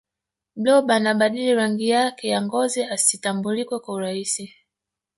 blob anabadili rangi yake ya ngozi asitambulika kwa urahisi